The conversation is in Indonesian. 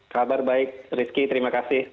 kabar baik rizky terima kasih